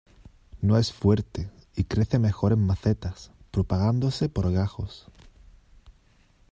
No es fuerte, y crece mejor en macetas, propagándose por gajos.